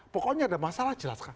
pokoknya ada masalah jelaskan